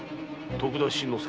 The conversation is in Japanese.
徳田新之助。